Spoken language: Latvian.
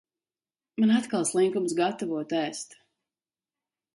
Man atkal slinkums gatavot ēst.